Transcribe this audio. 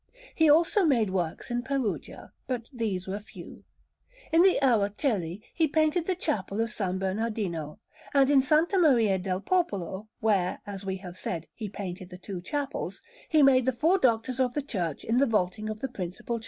He also made works in Perugia, but these were few. In the Araceli he painted the Chapel of S. Bernardino; and in S. Maria del Popolo, where, as we have said, he painted the two chapels, he made the four Doctors of the Church on the vaulting of the principal chapel.